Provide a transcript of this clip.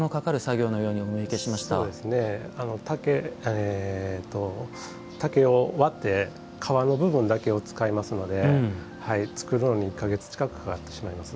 えっと竹を割って皮の部分だけを使いますので作るのに１か月近くかかってしまいます。